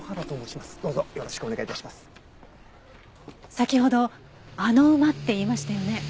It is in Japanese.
先ほど「あの馬」って言いましたよね。